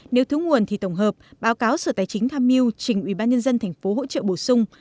nếu thiếu nguồn thì tổng hợp báo cáo sở tài chính tham mưu trình ubnd tp hỗ trợ bổ sung